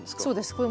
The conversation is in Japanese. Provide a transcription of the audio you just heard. そうです。